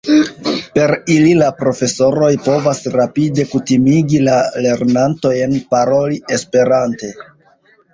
Per ili la profesoroj povas rapide kutimigi la lernantojn paroli esperante.